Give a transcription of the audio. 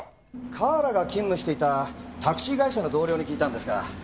河原が勤務していたタクシー会社の同僚に聞いたんですが。